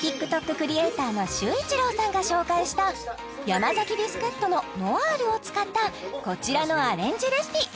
クリエイターの修一朗さんが紹介したヤマザキビスケットのノアールを使ったこちらのアレンジレシピ